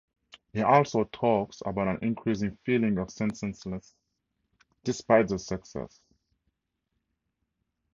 He also talks about an increasing feeling of senselessness despite the success.